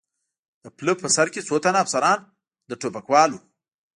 د پله په سر کې څو تنه افسران، له ټوپکوالو.